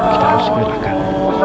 kita harus menyerahkan